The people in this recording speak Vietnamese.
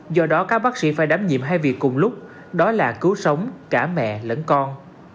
do đó các bác sĩ phải đám nhiệm hai việc cùng lúc đó là cứu sống cả mẹ lẫn con